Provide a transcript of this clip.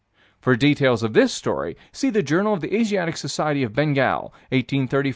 For details of this story see the Journal of the Asiatic Society of Bengal, 1834 307.